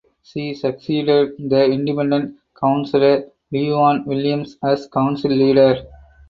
She succeeded the Independent councillor Ieuan Williams as council leader.